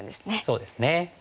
そうですね。